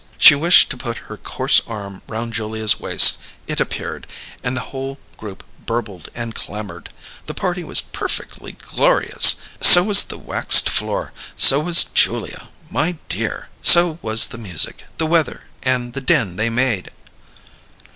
She wished to put her coarse arm round Julia's waist, it appeared, and the whole group burbled and clamoured: the party was perfictly glorious; so was the waxed floor; so was Julia, my dear, so was the music, the weather, and the din they made!